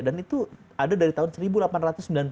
dan itu ada dari tahun seribu delapan ratus sembilan puluh an